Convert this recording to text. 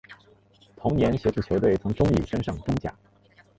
同年协助球队从中乙升上中甲。